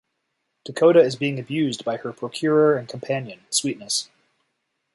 Dakota is being abused by her procurer and companion, Sweetness.